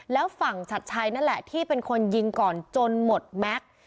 แล้วฝั่งชัดชัยนั่นแหละที่เป็นคนยิงก่อนจนหมดแม็กซ์